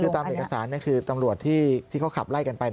คือตามเอกสารคือตำรวจที่เขาขับไล่กันไป